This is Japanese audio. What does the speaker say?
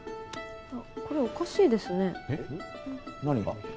あっこれおかしいですね何が？